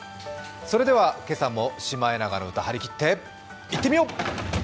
それでは今朝も「シマエナガの歌」張り切っていってみよう。